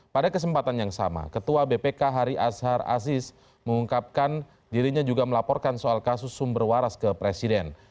pada kesempatan yang sama ketua bpk hari azhar aziz mengungkapkan dirinya juga melaporkan soal kasus sumber waras ke presiden